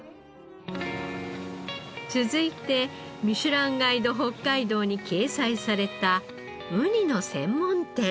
続いて『ミシュランガイド北海道』に掲載されたウニの専門店。